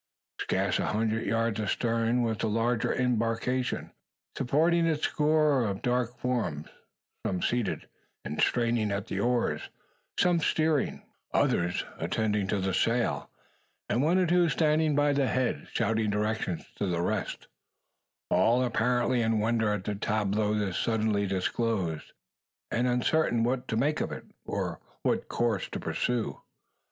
Scarce a hundred yards astern was the larger embarkation, supporting its score of dark forms, some seated, and straining at the oars, some steering, others attending to the sail; and one or two standing by the head, shouting directions to the rest, all apparently in wonder at the tableau thus suddenly disclosed, and uncertain what to make of it, or what course to pursue!